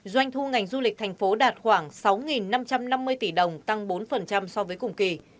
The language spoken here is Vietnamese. doanh thu ngành du lịch thành phố đạt khoảng sáu năm trăm năm mươi tỷ đồng tăng bốn so với cùng kỳ